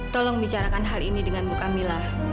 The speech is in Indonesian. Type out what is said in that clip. tolong bicarakan hal ini dengan bu kamilah